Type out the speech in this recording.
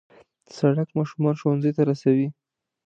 سړک ماشومان ښوونځي ته رسوي.